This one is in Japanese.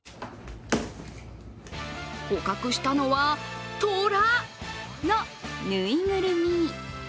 捕獲したのは、トラ！のぬいぐるみ。